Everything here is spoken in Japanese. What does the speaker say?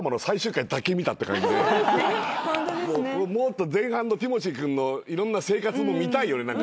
もっと前半のティモシー君のいろんな生活も見たいよね。